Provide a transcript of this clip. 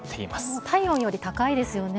もう体温より高いですよね。